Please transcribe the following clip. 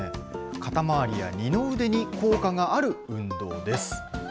肩回りや二の腕に効果がある運動です。